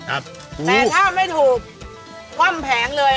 แต่ถ้าไม่ถูกมอมแผงเลย